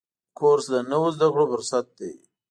کورس د نویو زده کړو فرصت دی.